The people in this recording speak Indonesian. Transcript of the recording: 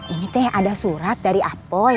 ini teh ada surat dari apoy